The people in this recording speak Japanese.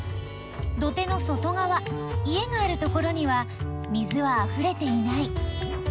土手の外がわ家があるところには水はあふれていない。